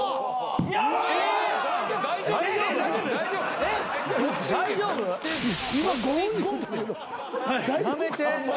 大丈夫か？